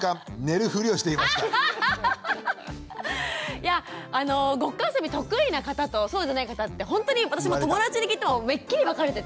いやあのごっこあそび得意な方とそうじゃない方ってほんとに私も友達に聞いてもめっきり分かれてて。